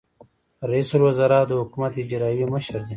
رئیس الوزرا د حکومت اجرائیوي مشر دی